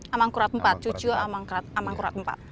amangkurat iv cucu amangkurat iv